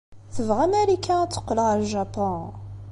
Tebɣa Marika ad teqqel ɣer Japun?